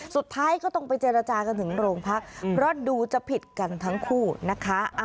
สุดท้ายก็ต้องไปเจรจากันถึงโรงพักเพราะดูจะผิดกันทั้งคู่นะคะ